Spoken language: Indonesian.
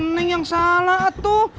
neng yang salah tuh